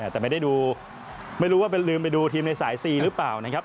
แต่ไม่รู้ว่าเป็นลืมไปดูทีมในสาย๔หรือเปล่านะครับ